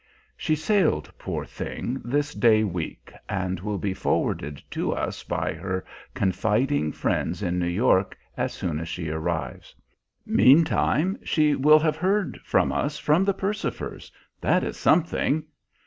She sailed, poor thing, this day week and will be forwarded to us by her confiding friends in New York as soon as she arrives. Meantime she will have heard from us from the Percifers: that is something.